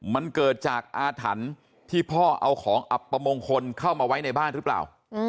มันเกิดจากอาถรรพ์ที่พ่อเอาของอับประมงคลเข้ามาไว้ในบ้านหรือเปล่า